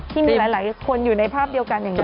ที่มีหลายคนอยู่ในภาพเดียวกันอย่างนี้